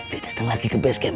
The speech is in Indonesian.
dia dateng lagi ke basecamp